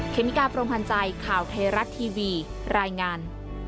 เมกาพรมพันธ์ใจข่าวไทยรัฐทีวีรายงาน